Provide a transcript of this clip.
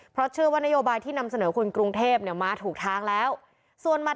เพราะเชื่อว่านโยบายที่นำเสนอคุณกรุงเทพมาถูกทางแล้ว